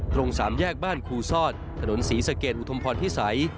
ตรงสามแยกบ้านครูซอดถนนศรีสะเกดอุทมพรพิสัย